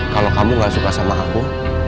kalau kamu gak suka sama aku